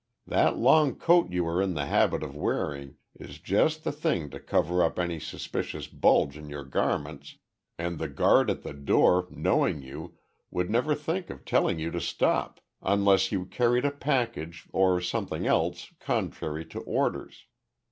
That long coat you are in the habit of wearing is just the thing to cover up any suspicious bulge in your garments and the guard at the door, knowing you, would never think of telling you to stop unless you carried a package or something else contrary to orders.